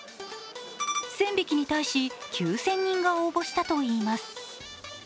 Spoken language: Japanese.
１０００匹に対し９０００人が応募したといいます。